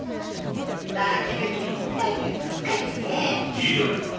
よいではないか。